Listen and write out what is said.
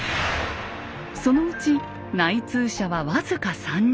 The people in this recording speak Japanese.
そのうち内通者は僅か３人。